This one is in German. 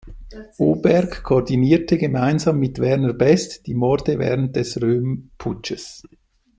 Oberg koordinierte gemeinsam mit Werner Best die Morde während des „Röhm-Putsches“.